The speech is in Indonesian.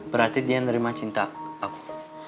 berarti dia nerima cinta aku